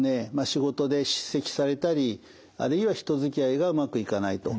仕事で叱責されたりあるいは人づきあいがうまくいかないと。